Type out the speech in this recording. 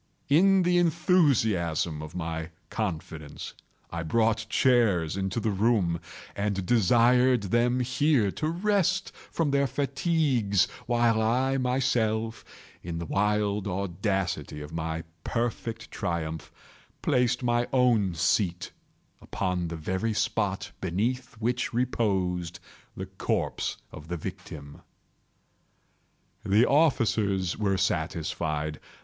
In the enthusiasm of my confidence, I brought chairs into the room, and desired them here to rest from their fatigues, while I myself, in the wild audacity of my perfect triumph, placed my own seat upon the very spot beneath which reposed the corpse of the victim. The officers were satisfied.